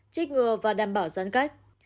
trích ngừa và đảm bảo giãn cách